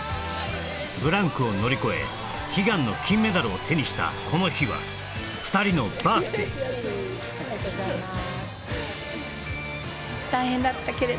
ブランクを乗り越え悲願の金メダルを手にしたこの日は２人のバース・デイありがとうございます